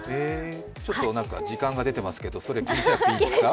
ちょっと時間が出てますけどそれ気にしなくていいですか。